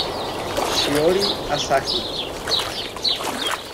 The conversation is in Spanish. Shiori Asahi